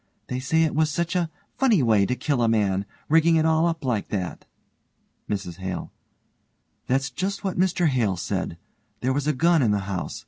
They say it was such a funny way to kill a man, rigging it all up like that. MRS HALE: That's just what Mr Hale said. There was a gun in the house.